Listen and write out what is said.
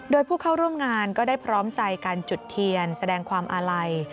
โดยผู้เข้าร่วมงานก็ได้พร้อมใจการจุดเทียนแสดงความอาลัย